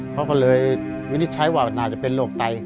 เขาก็เลยวินิจฉัยว่าน่าจะเป็นโรคไต